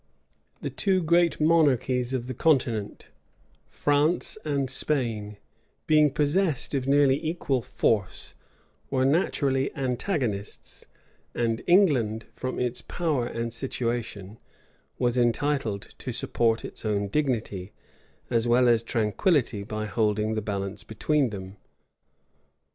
The two great monarchies of the continent, France and Spain, being possessed of nearly equal force, were naturally antagonists; and England, from its power and situation, was entitled to support its own dignity, as well as tranquillity, by holding the balance between them.